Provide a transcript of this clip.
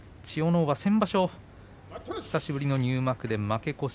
皇は先場所久しぶりの入幕で負け越し。